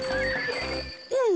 うん！